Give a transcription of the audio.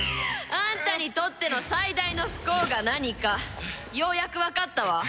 あんたにとっての最大の不幸が何かようやくわかったわ。